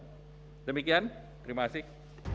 demikian terima kasih